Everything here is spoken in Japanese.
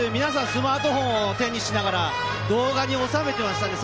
スマートフォンを手にしながら、動画に収めていましたね。